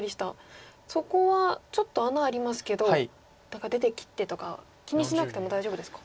そこはちょっと穴ありますけど出て切ってとか気にしなくても大丈夫ですか。